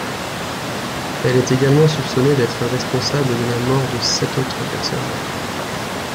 Elle est également soupçonnée d'être responsable de la mort de sept autres personnes.